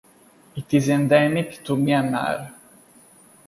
It is endemic to Myanmar.